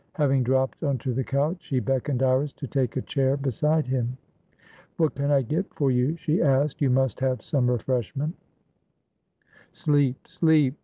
Having dropped onto the couch, he beckoned Iris to take a chair beside him. "What can I get for you?" she asked. "You must have some refreshment" "Sleep, sleep!"